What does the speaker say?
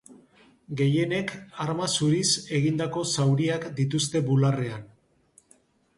Gehienek arma zuriz egindako zauriak dituzte bularrean.